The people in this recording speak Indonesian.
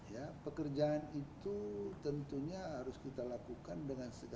ya pekerjaan itu tentunya harus kita lakukan dengan segalanya